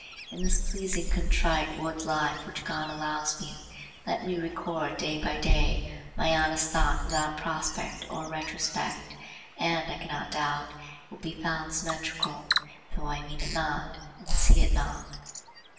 In this pleasing contrite wood life which God allows me, let me record day by day my honest thought without prospect or retrospect, and, I cannot doubt, it will be found symmetrical, though I mean it not and see it not.